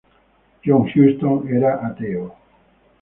John Huston era ateo.